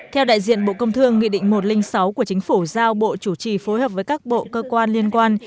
theo đại diện bộ công thương nghị định một trăm linh sáu của chính phủ giao bộ chủ trì phối hợp với các bộ cơ quan liên quan